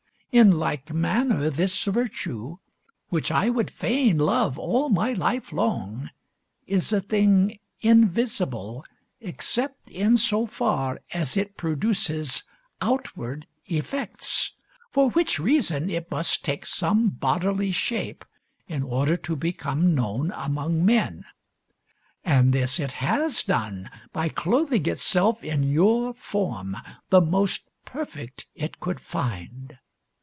In like manner this virtue, which I would fain love all my life long, is a thing invisible except in so far as it produces outward effects, for which reason it must take some bodily shape in order to become known among men. And this it has done by clothing itself in your form, the most perfect it could find.